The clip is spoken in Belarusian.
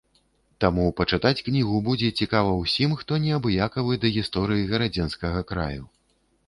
Таму пачытаць кнігу будзе цікава ўсім, хто неабыякавы да гісторыі гарадзенскага краю.